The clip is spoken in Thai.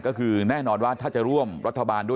ก็คือแน่นอนว่าถ้าจะร่วมรัฐบาลด้วย